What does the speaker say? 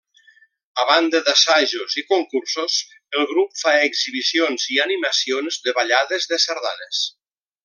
A banda d'assajos i concursos, el grup fa exhibicions i animacions de ballades de sardanes.